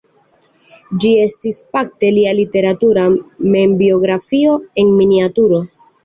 Ĝi estis fakte lia literatura membiografio en miniaturo.